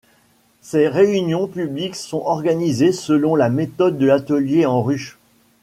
Ces réunions publiques sont organisées selon la méthode de l'atelier en ruche.